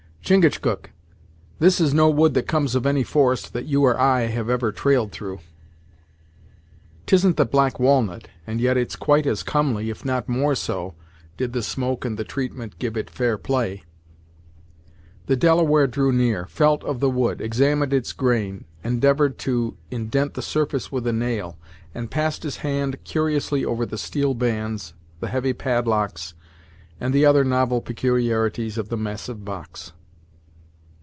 "Chingachgook, this is no wood that comes of any forest that you or I have ever trailed through! 'Tisn't the black walnut, and yet it's quite as comely, if not more so, did the smoke and the treatment give it fair play." The Delaware drew near, felt of the wood, examined its grain, endeavored to indent the surface with a nail, and passed his hand curiously over the steel bands, the heavy padlocks, and the other novel peculiarities of the massive box.